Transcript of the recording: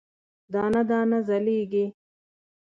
دانه، دانه ځلیږې